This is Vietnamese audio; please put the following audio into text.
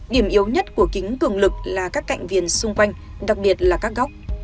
điểm yếu nhất của kính cường lực là các cạnh viền xung quanh đặc biệt là các góc